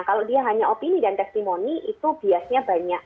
kalau dia hanya opini dan testimoni itu biasanya banyak